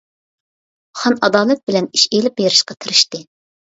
خان ئادالەت بىلەن ئىش ئېلىپ بېرىشقا تىرىشتى.